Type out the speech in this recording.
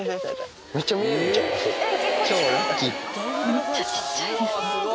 めっちゃ小っちゃいですね。